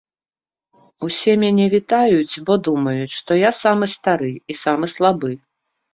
Усе мяне вітаюць, бо думаюць, што я самы стары і самы слабы.